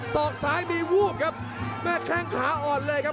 อกซ้ายมีวูบครับแม่แข้งขาอ่อนเลยครับ